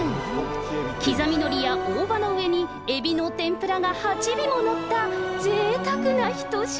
きざみのりや大葉の上にエビの天ぷらが８尾も載った、ぜいたくな一品。